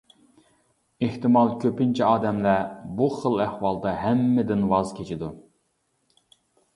ئېھتىمال كۆپىنچە ئادەملەر بۇ خىل ئەھۋالدا ھەممىدىن ۋاز كېچىدۇ.